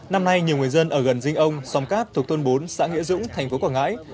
năm nay nhiều người dân ở gần dinh ông xóm cát thuộc thôn bốn xã nghĩa dũng thành phố quảng ngãi